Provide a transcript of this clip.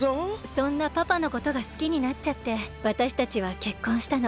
そんなパパのことがすきになっちゃってわたしたちはけっこんしたの。